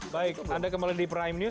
baik anda kembali di prime news